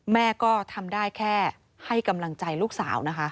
แม่ก็ทำได้แค่ให้กำลังใจลูกสาวนะคะ